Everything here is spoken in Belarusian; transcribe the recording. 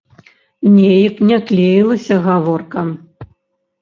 Неяк не клеілася гаворка.